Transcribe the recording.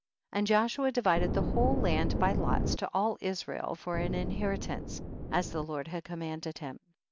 19. And Joshua divided the whole land by lots to all Israel for an in heritance, as the Lord had com manded him.